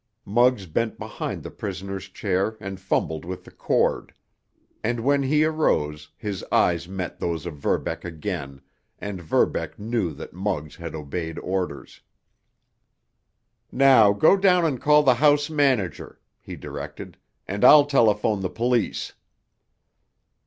Muggs bent behind the prisoner's chair and fumbled with the cord, and when he arose his eyes met those of Verbeck again, and Verbeck knew that Muggs had obeyed orders. "Now go down and call the house manager," he directed, "and I'll telephone the police."